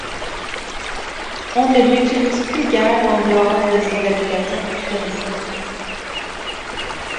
On ne l'utilise plus guère en dehors de ses applications historiques.